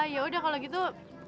ya udah kalau gitu